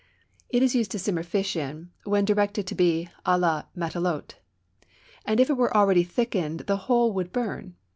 It is used to simmer fish in when directed to be à la matelote, and if it were already thickened the whole would burn.